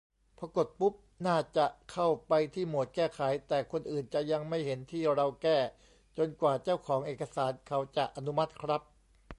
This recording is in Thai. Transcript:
พอกดปุ๊บ น่าจะเข้าไปที่โหมดแก้ไข แต่คนอื่นจะยังไม่เห็นที่เราแก้ จนกว่าเจ้าของเอกสารเขาจะอนุมัติครับ